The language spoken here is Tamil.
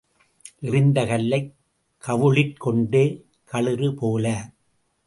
எறிந்த கல்லைக் கவுளிற் கொண்ட களிறு போல.